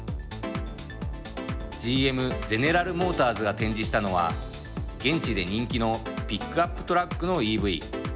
ＧＭ＝ゼネラル・モーターズが展示したのは現地で人気のピックアップトラックのＥＶ。